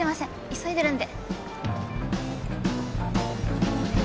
急いでるんで。